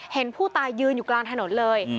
เห็นผู้ตายยืนอยู่กลางถนนเลย